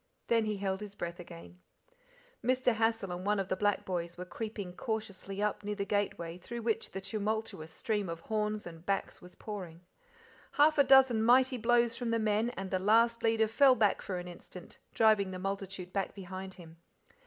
Then he held his breath again. Mr. Hassal and one of the black boys were creeping cautiously up near the gateway through which the tumultuous stream of horns and backs was pouring. Half a dozen mighty blows from the men, and the last leader fell back for an instant, driving the multitude back behind him.